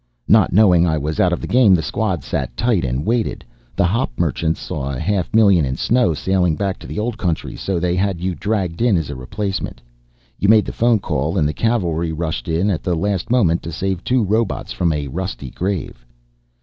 "Not knowing I was out of the game the squad sat tight and waited. The hop merchants saw a half million in snow sailing back to the old country so they had you dragged in as a replacement. You made the phone call and the cavalry rushed in at the last moment to save two robots from a rusty grave."